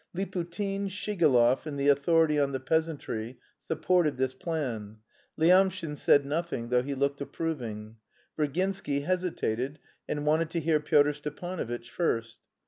Liputin, Shigalov, and the authority on the peasantry supported this plan; Lyamshin said nothing, though he looked approving. Virginsky hesitated and wanted to hear Pyotr Stepanovitch first.